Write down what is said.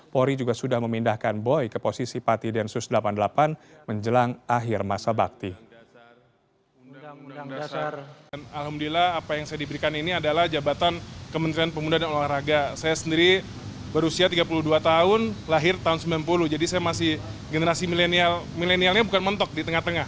pori juga sudah memindahkan boy ke posisi pati densus delapan puluh delapan menjelang akhir masa bakti